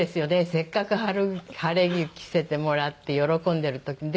せっかく晴れ着着せてもらって喜んでる時に。